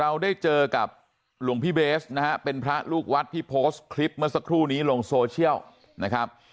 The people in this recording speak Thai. เราได้เจอกับหลวงพี่เบสนะฮะเป็นพระลูกวัดที่โพสต์คลิปเมื่อสักครู่นี้ลงโซเชียลนะครับ